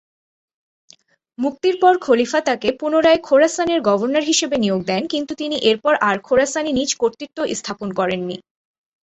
মুক্তির পর খলিফা তাকে পুনরায় খোরাসানের গভর্নর হিসেবে নিয়োগ দেন কিন্তু তিনি এরপর আর খোরাসানে নিজ কর্তৃত্ব স্থাপন করেননি।